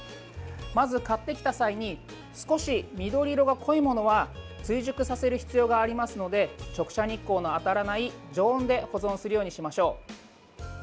まず、買ってきた際に少し緑色が濃いものは追熟させる必要がありますので直射日光の当たらない常温で保存するようにしましょう。